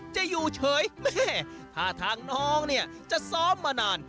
จะอยู่เฉยแม่ถ้าทางน้องเนี่ยจะซ้อมมานาน